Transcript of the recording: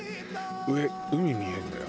上海見えるのよ。